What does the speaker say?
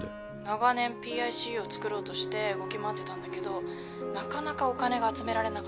長年ＰＩＣＵを作ろうとして動き回ってたんだけどなかなかお金が集められなかったみたいで。